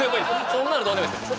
そんなのどうでもいいですね